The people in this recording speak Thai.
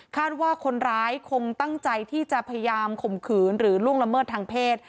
ว่าคนร้ายคงตั้งใจที่จะพยายามข่มขืนหรือล่วงละเมิดทางเพศ